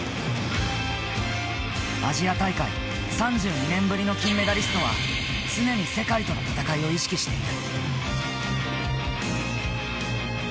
アジア大会３２年ぶりの金メダリストは常に世界との戦いを意識している。